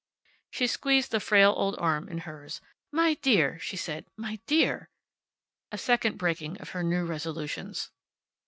She squeezed the frail old arm in hers. "My dear!" she said. "My dear!" A second breaking of her new resolutions.